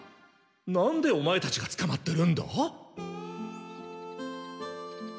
なんでオマエたちがつかまってるんだ？